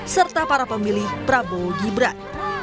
serta para pemilih prabowo gibran